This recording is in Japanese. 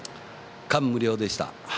感無量でした。